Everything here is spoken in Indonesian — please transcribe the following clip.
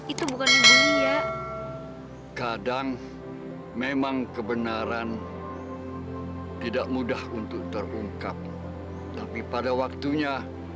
itu bukan di dunia kadang memang kebenaran tidak mudah untuk terungkap tapi pada waktunya